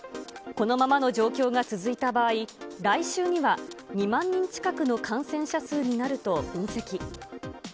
このままの状況が続いた場合、来週には２万人近くの感染者数になると分析。